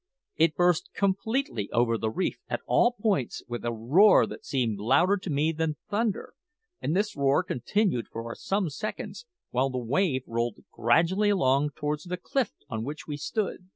It burst completely over the reef at all points with a roar that seemed louder to me than thunder, and this roar continued for some seconds while the wave rolled gradually along towards the cliff on which we stood.